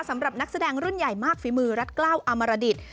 สำหรับนักแสดงรุ่นใหญ่มากฝีมือรัฐกล้าวอมรดิต